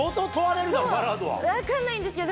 分かんないんですけど。